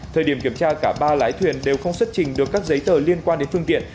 thời điểm kiểm tra cả ba lái thuyền đều không xuất trình được các giấy tờ liên quan đến phương tiện